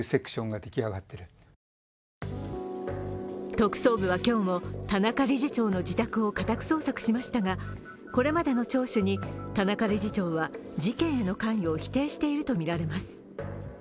特捜部は今日も田中理事長の自宅を家宅捜索しましたがこれまでの聴取に、田中理事長は事件への関与を否定しているとみられます。